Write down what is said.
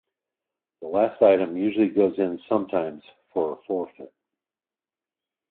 The last item usually goes in, sometimes for a forfeit.